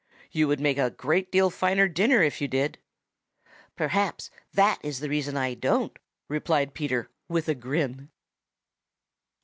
You would make me a great deal finer dinner if you did." "Perhaps that is the reason I don't," replied Peter with a grin.